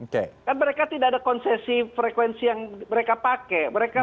kan mereka tidak ada konsesi frekuensi yang mereka pakai